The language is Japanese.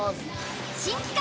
新企画！